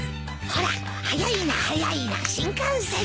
ほら速いな速いな新幹線。